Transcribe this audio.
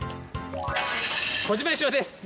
小島よしおです。